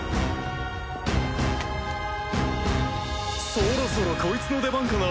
そろそろコイツの出番かな？